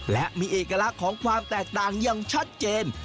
และมีเอกลักษณ์ของความแตกต่างอย่างชัดเจน